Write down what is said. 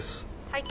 はい。